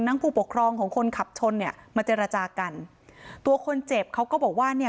ผู้ปกครองของคนขับชนเนี่ยมาเจรจากันตัวคนเจ็บเขาก็บอกว่าเนี่ย